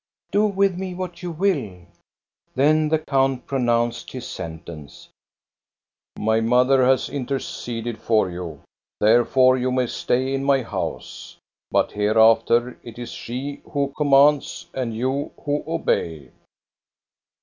" Do with me what you will !" Then the count pronounced his sentence :—My mother has interceded for you. Therefore you may stay in my house. But hereafter it is she who commands, and you who obey."